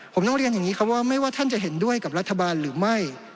ผมต้องเรียนอย่างนี้ครับว่าไม่ว่าท่านจะเห็นด้วยกับรัฐบาลหรือไม่